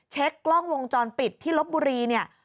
เช็คกล้องวงจรปิดที่ลบบุรีเนี่ย